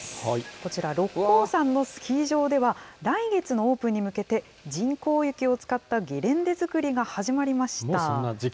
こちら、六甲山のスキー場では、来月のオープンに向けて、人工雪を使ったゲレンデづくりが始まりました。